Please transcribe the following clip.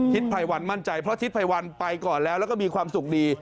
ภัยวันมั่นใจเพราะทิศภัยวันไปก่อนแล้วแล้วก็มีความสุขดี